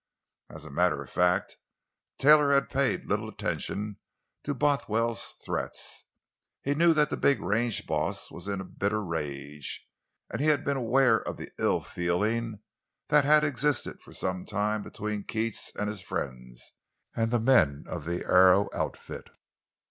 As a matter of fact, Taylor had paid little attention to Bothwell's threats. He knew that the big range boss was in a bitter rage, and he had been aware of the ill feeling that had existed for some time between Keats and his friends and the men of the Arrow outfit.